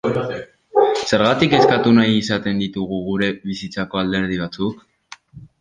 Zergatik ezkutatu nahi izaten ditugu gure bizitzako alderdi batzuk?